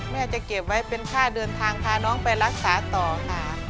แม่จะเก็บไว้เป็นค่าเดินทางพาน้องไปรักษาต่อค่ะ